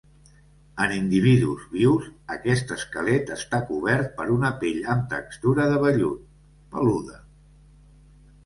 En individus vius, aquest esquelet està cobert per una pell amb textura de vellut, peluda.